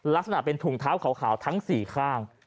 ลักษณะเป็นถุงเท้าขาวทั้ง๔ข้าง